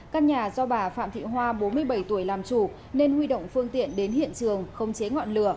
căn nhà do bà phạm thị hoa bốn mươi bảy tuổi làm chủ nên huy động phương tiện đến hiện trường không chế ngọn lửa